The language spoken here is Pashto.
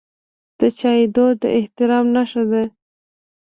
د چای دود د احترام نښه ده.